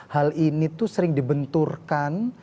hal ini tuh sering dibenturkan